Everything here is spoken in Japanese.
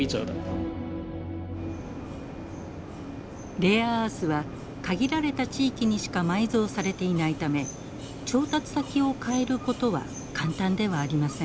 レアアースは限られた地域にしか埋蔵されていないため調達先をかえることは簡単ではありません。